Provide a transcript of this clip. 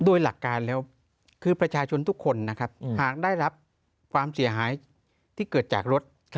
โดยหลักการแล้วคือประชาชนทุกคนนะครับหากได้รับความเสียหายที่เกิดจากรถ